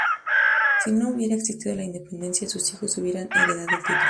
Si no hubiera existido la independencia, sus hijos hubieran heredado el título.